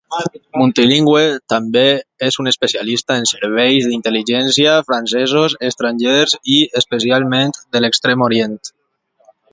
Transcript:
Multilingüe, també és un especialista en serveis d'intel·ligència francesos, estrangers i, especialment, de l'Extrem Orient.